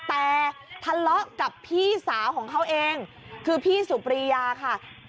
แต่ทะเลาะกับพี่สาวของเขาเองคือพี่สุปรียาค่ะ